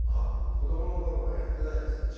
子どもの頃はやってないです。